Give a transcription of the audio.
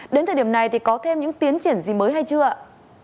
đến thời điểm này thì có thêm những tiến triển gì mới hay chưa ạ